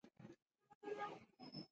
څه ګونګ وي خو د تفسیر او توضیح وړ وي